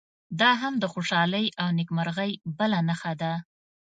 دا هم د خوشالۍ او نیکمرغۍ بله نښه ده.